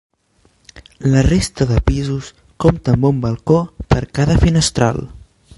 La resta de pisos compta amb un balcó per cada finestral.